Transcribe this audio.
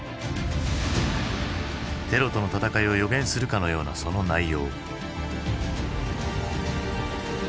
テロとの戦いを予言するかのようなその内容。